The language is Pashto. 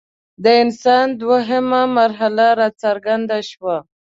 د انسان دویمه مرحله راڅرګنده شوه.